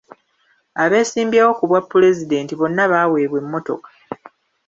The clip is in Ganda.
Abeesimbyewo ku bwa pulezidenti bonna baaweebwa emmotoka.